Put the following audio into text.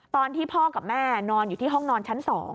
ตอนที่พ่อกับแม่นอนอยู่ที่ห้องนอนชั้น๒